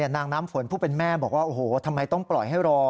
นางน้ำฝนผู้เป็นแม่บอกว่าโอ้โหทำไมต้องปล่อยให้รอ